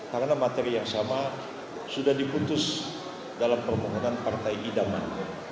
karena materi yang sama sudah diputus dalam permohonan partai idaman